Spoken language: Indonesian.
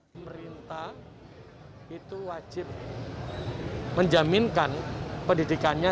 pemerintah itu wajib menjaminkan pendidikannya